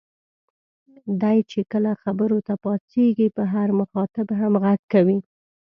دی چې کله خبرو ته پاڅېږي په هر مخاطب هم غږ کوي.